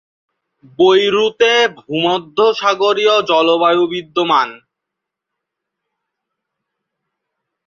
বৈরুতে ভূমধ্যসাগরীয় জলবায়ু বিদ্যমান।